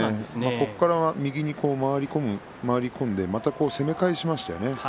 ここから右に回り込んでまた攻め返しましたよね。